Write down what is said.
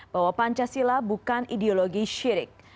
bahwa pancasila bukan ideologi syirik